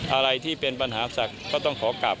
อะไรที่เป็นปัญหาศักดิ์ก็ต้องขอกลับ